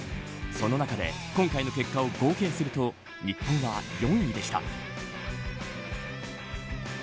その中で今回の結果を合計すると日本は４位でした。